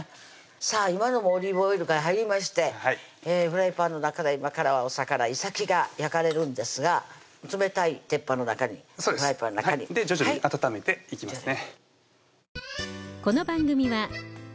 さぁオリーブオイルから入りましてフライパンの中で今からお魚・いさきが焼かれるんですが冷たいフライパンの中にそうです徐々に温めていきますね